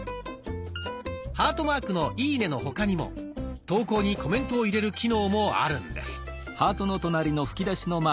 ハートマークの「いいね」の他にも投稿にコメントを入れる機能もあるんです。